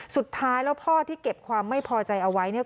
สุดท้ายแล้วพ่อที่เก็บความไม่พอใจเอาไว้เนี่ย